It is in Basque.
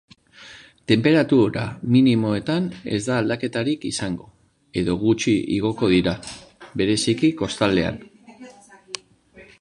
Tenperatura minimoetan ez da aldaketarik izango edo gutxi igoko dira, bereziki kostaldean.